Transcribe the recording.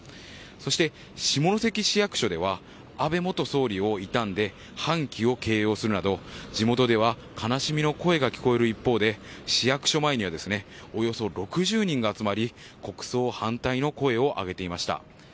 そして下関市役所では安倍元総理を悼んで半旗を掲揚するなど地元では悲しみの声が聞こえる一方で、市役所前にはおよそ６０人が集まり国葬反対の声を上げていました。